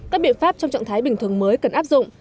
các biện pháp trong trạng thái bình thường mới cần áp dụng